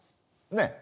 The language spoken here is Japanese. ねえ。